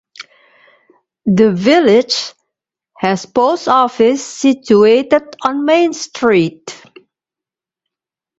The village has Post Office situated on Main Street.